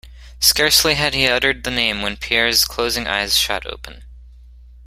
Scarcely had he uttered the name when Pierre's closing eyes shot open.